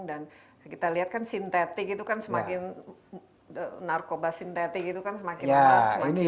dan kita lihat kan sintetik itu kan semakin narkoba sintetik itu kan semakin barat